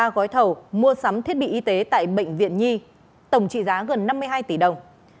ba gói thầu mua sắm thiết bị y tế tại bệnh viện nhi tổng trị giá gần năm mươi hai tỷ đồng